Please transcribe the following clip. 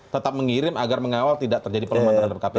tetap mengirim agar mengawal tidak terjadi pelemahan terhadap kpk